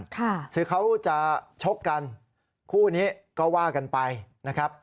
คือเขาจะชกกันคู่นี้ก็ว่ากันไปนะครับ